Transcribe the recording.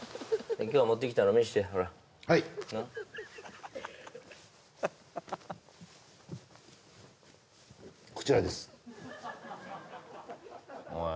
今日持ってきたの見してほらはいこちらですおい